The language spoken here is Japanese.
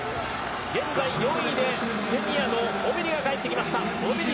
現在４位でケニアのオビリが帰ってきました。